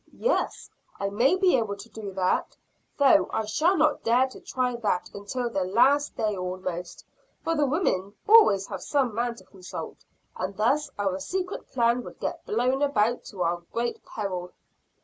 "Yes, I may be able to do that though I shall not dare to try that until the last day almost for the women always have some man to consult, and thus our secret plan would get blown about, to our great peril."